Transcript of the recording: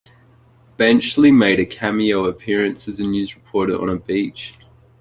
Benchley made a cameo appearance as a news reporter on the beach.